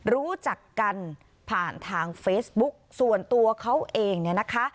รู้จักกันผ่านทางเฟซบุ๊กส่วนตัวเขาเองเนี่ยนะคะ